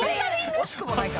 惜しくもないか。